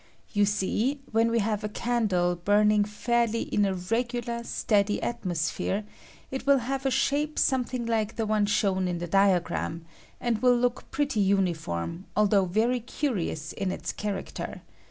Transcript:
You see, when we have a candle burning fairly in a regular, steady at mosphere, it will have a shape something like le shown in the diagram, and wUl look (pretty uniform, although very curious in its * character.